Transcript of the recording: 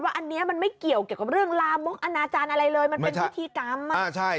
ว่าอันนี้มันไม่เกี่ยวเกี่ยวกับเรื่องลามกอนาจารย์อะไรเลย